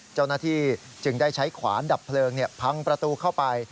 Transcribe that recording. เจ้าหน้าที่จึงได้ใช้ขวานดับเพลิงพังประตูเข้าไป